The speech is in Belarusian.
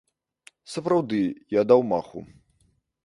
Сапраўды, я даў маху.